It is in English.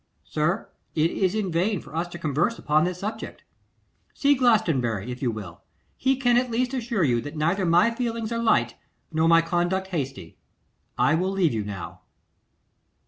'Sir, it is in vain for us to converse upon this subject. See Glastonbury, if you will. He can at least assure you that neither my feelings are light nor my conduct hasty. I will leave you now.